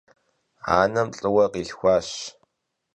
Anem lh'ıue khilhxuaş.